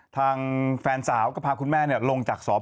ทางแฟนสาวก็พาคุณแม่ลงจากสอบ